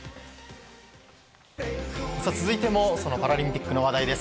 続いてもパラリンピックの話題です。